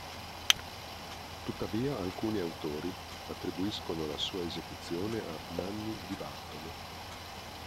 Tuttavia alcuni autori attribuiscono la sua esecuzione a Nanni di Bartolo.